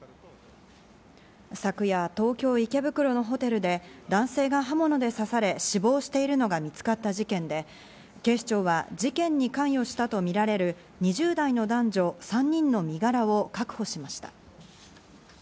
昨夜、東京・池袋のホテルで男性が刃物で刺され、死亡しているのが見つかった事件で、警視庁は、事件に関与したとみられる２０代の男女３人の身柄を確保しました。